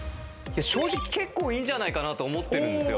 正直結構いいんじゃないかなと思ってるんですよ。